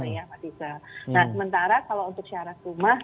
nah sementara kalau untuk syarat rumah